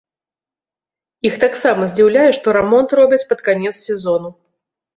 Іх таксама здзіўляе, што рамонт робяць пад канец сезону.